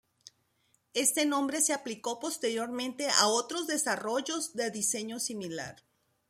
Este nombre se aplicó posteriormente a otros desarrollos de diseño similar.